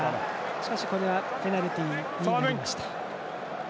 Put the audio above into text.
しかし、これはペナルティになりました。